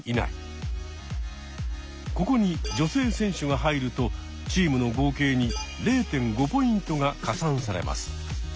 ここに女性選手が入るとチームの合計に０．５ポイントが加算されます。